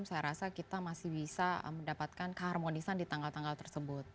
saya rasa kita masih bisa mendapatkan keharmonisan di tanggal tanggal tersebut